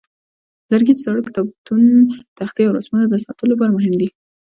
لرګي د زاړه کتابتونه، تختې، او رسمونو د ساتلو لپاره مهم دي.